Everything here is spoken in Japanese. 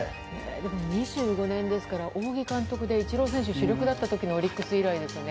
２５年ですから仰木監督でイチロー選手主力だった時のオリックス以来ですね。